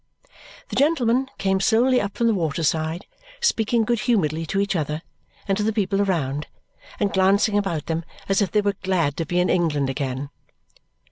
The gentlemen came slowly up from the waterside, speaking good humouredly to each other and to the people around and glancing about them as if they were glad to be in England again.